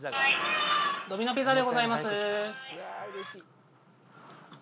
ドミノ・ピザでございます。